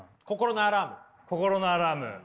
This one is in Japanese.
心のアラーム。